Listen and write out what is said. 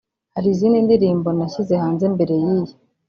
“Hari izindi ndirimbo nashyize hanze mbere y’iyi